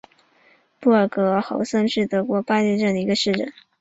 布尔格豪森是德国巴伐利亚州的一个市镇。